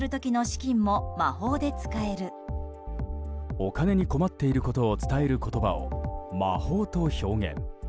お金に困っていることを伝える言葉を魔法と表現。